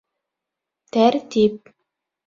Тәртип